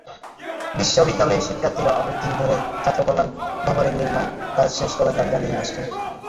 বিশ্ববিদ্যালয়ের শিক্ষার্থীরা অনেক দিন ধরে ছাত্রকল্যাণ ভবনের নির্মাণকাজ শেষ করার দাবি জানিয়ে আসছেন।